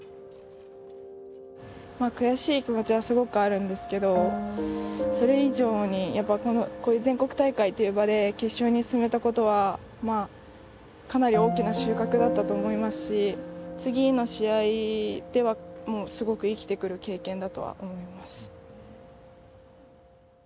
悔しい気持ちはすごくあるんですけどそれ以上にこういう全国大会という場で決勝に進めたことはかなり大きな収穫だったと思いますし次の試合ではすごく生きてくる経験だとは思います。